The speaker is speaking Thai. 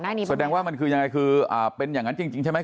แสดงว่ามันคือยังไงคืออ่าเป็นอย่างนั้นจริงใช่ไหม